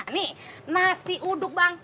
nih nasi uduk bang